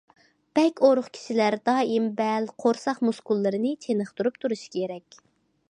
بەك ئورۇق كىشىلەر دائىم بەل، قورساق مۇسكۇللىرىنى چېنىقتۇرۇپ تۇرۇشى كېرەك.